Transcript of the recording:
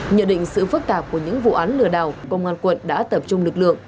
nhờ định sự phức tạp của những vụ án lừa đảo công an quận đã tập trung lực lượng